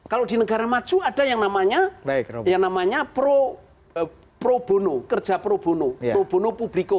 kalau di negara macu ada yang namanya pro bono kerja pro bono pro bono publiko